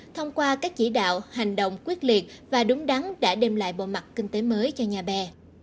thông qua các chỉ đạo hành động quyết liệt và đúng đắn đã đem lại bộ mặt kinh tế mới cho nhà bè